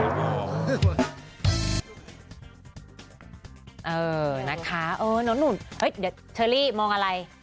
เออนักท้าโน้นเฮ้ยเทอรี่มองอะไร